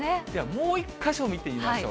もう１か所見てみましょう。